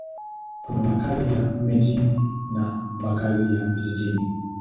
Kuna makazi ya mjini na makazi ya vijijini.